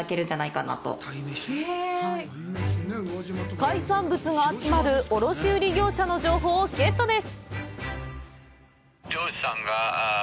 海産物が集まる卸売業者の情報をゲットです。